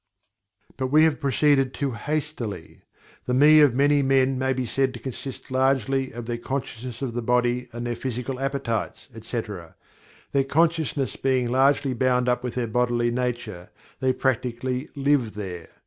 But we have proceeded too hastily. The "Me" of many men may be said to consist largely of their consciousness of the body and their physical appetites, etc. Their consciousness being largely bound up with their bodily nature, they practically "live there."